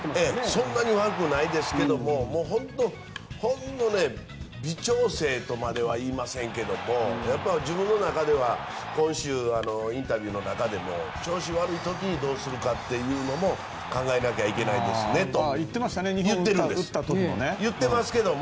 そんなに悪くないんですがほんの微調整とまではいいませんが自分の中では今週、インタビューの中でも調子悪い時にどうするかというのも考えなきゃいけないですねと。